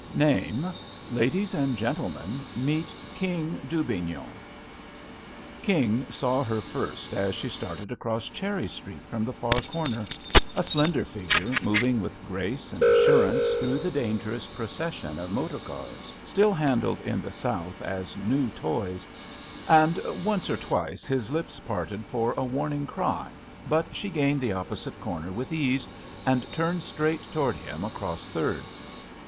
Name ? Ladies and gentlemen, meet King Dubignon. King saw her first as she started across Cherry Street from the far comer, a slender figure moving with grace and assurance through the dangerous procession of motor cars, still handled in the South as new toys, and once or twice his lips parted for a warn ing cry, but she gained the opposite corner with ease and turned straight toward him across Third.